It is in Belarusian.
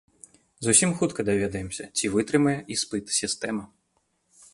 Зусім хутка даведаемся, ці вытрымае іспыт сістэма.